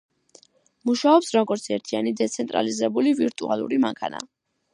მუშაობს როგორც ერთიანი დეცენტრალიზებული ვირტუალური მანქანა.